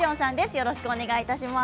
よろしくお願いします。